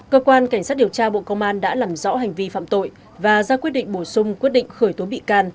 cơ quan cảnh sát điều tra bộ công an đã làm rõ hành vi phạm tội và ra quyết định bổ sung quyết định khởi tố bị can